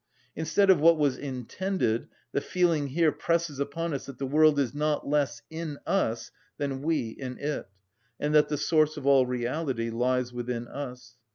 Instead of what was intended, the feeling here presses upon us that the world is not less in us than we in it, and that the source of all reality lies within us.